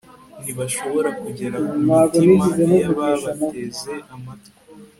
ntibashobora kugera ku mitima yababateze amatwi